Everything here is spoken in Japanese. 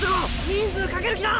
人数かける気だ！